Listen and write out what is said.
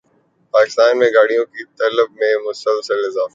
پاکستان میں گاڑیوں کی طلب میں مسلسل اضافہ